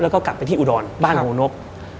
แล้วก็กลับไปที่อุดรบ้านหมู่นก